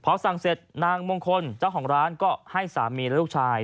พอสั่งเสร็จนางมงคลเจ้าของร้านก็ให้สามีและลูกชาย